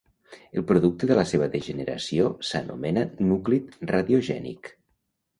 El producte de la seva degeneració s'anomena núclid radiogènic.